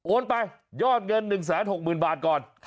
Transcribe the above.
ไปยอดเงิน๑๖๐๐๐บาทก่อน